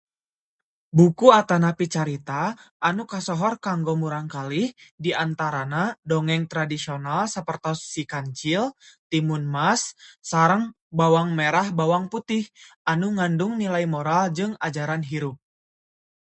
Buku atanapi carita anu kasohor kanggo murangkalih di antarana dongeng tradisional sapertos Si Kancil, Timun Mas, sareng Bawah Merah Bawang Putih anu ngandung nilai moral jeung ajaran hirup.